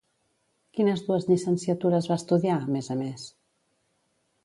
Quines dues llicenciatures va estudiar, a més a més?